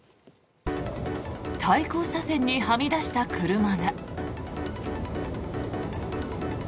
対向車線にはみ出した車が。